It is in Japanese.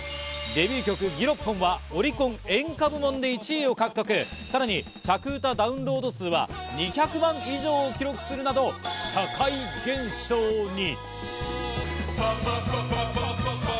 デビュー曲『六本木ＧＩＲＯＰＰＯＮ』はオリコン演歌部門で１位を獲得、さらに着うたダウンロード数は２００万以上を記録するなど社会現象に。